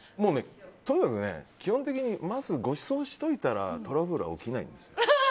とにかく基本的にまずごちそうしといたらトラブルは起きないんですよ。